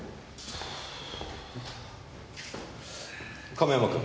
亀山君。